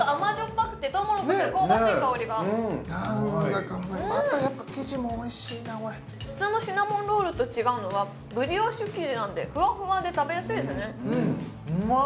ぱくてトウモロコシの香ばしい香りがまたやっぱり生地もおいしいなこれ普通のシナモンロールと違うのはブリオッシュ生地なのでふわふわで食べやすいですねうまっ！